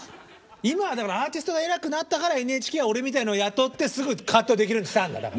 今はアーティストが偉くなったからＮＨＫは俺みたいのを雇ってすぐカットできるようにしたんだだから。